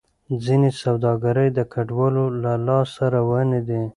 ځینې سوداګرۍ د کډوالو له لاسه روانې دي.